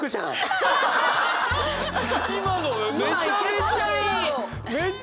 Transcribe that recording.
今のめちゃめちゃいいよ。